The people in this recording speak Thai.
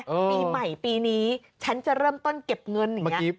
ปีใหม่ปีนี้ฉันจะเริ่มต้นเก็บเงินอย่างนี้